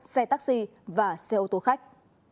xe taxi và xe ô tô khách